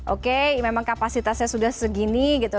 oke memang kapasitasnya sudah segini gitu